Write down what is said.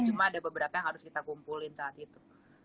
cuma ada beberapa yang harus kita kumpulin saat itu